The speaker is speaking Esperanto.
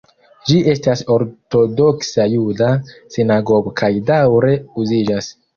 Ĝi estas ortodoksa juda sinagogo kaj daŭre uziĝas.